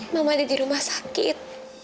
mama ada di rumah sakit